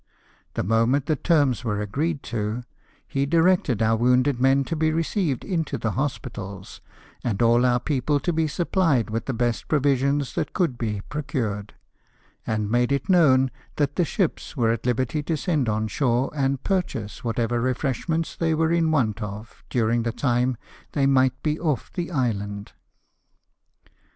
The moment the terms were agreed to, he directed our wounded men to be received into the hospitals, and all our people to be supplied with the best provisions that could be procured ; and made it known that the ships were at liberty to send on shore and purchase whatever refreshments they were in want of during the time they might be ofl" the island.'